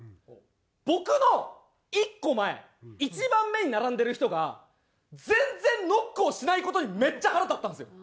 僕の１個前１番目に並んでる人が全然ノックをしない事にめっちゃ腹立ったんですよ。